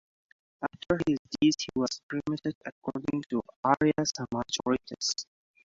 After his death, he was cremated according to Arya Samaj rites.